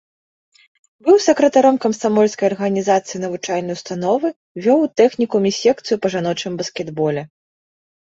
Быў сакратаром камсамольскай арганізацыі навучальнай установы, вёў у тэхнікуме секцыю па жаночым баскетболе.